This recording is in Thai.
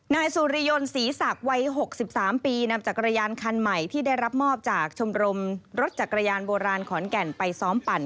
นายสุริยนต์ศรีศักดิ์วัย๖๓ปีนำจักรยานคันใหม่ที่ได้รับมอบจากชมรมรถจักรยานโบราณขอนแก่นไปซ้อมปั่น